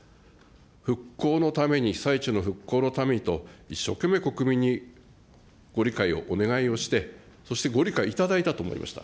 復興のために、被災地の復興のためにと、一生懸命国民にご理解をお願いをして、そしてご理解いただいたと思いました。